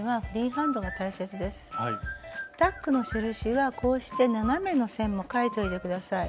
タックの印はこうして斜めの線も書いといて下さい。